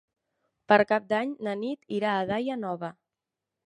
Per Cap d'Any na Nit irà a Daia Nova.